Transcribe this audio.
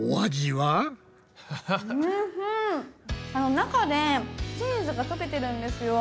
中でチーズが溶けてるんですよ。